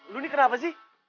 lo ini kenapa sih